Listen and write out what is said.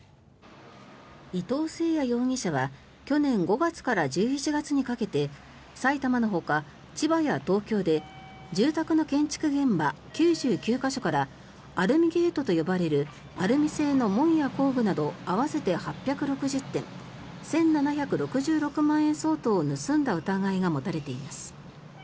伊藤聖也容疑者は去年５月から１１月にかけて埼玉のほか、千葉や東京で住宅の建築現場９９か所からアルミゲートと呼ばれるアルミ製の門や工具など合わせて８６０点１７６６万円相当を盗んだ疑いが持たれています。